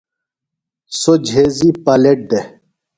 سوۡ جھیزی پائلٹ دے۔